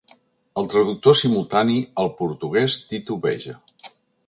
El traductor simultani al portuguès titubeja.